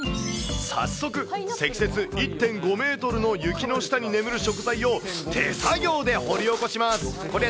早速、積雪１．５メートルの雪の下に眠る食材を手作業で掘り起こします。